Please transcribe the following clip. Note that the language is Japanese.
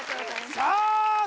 さあ